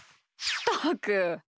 ったく！